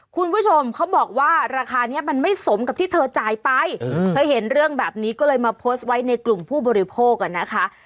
คุณผู้ชมเขาบอกว่าราคานี้มันไม่สมกับที่เธอจ่ายไปเธอเห็นเรื่องแบบนี้ก็เลยมาโพสต์ไว้ในกลุ่มผู้บริโภคอ่ะนะคะ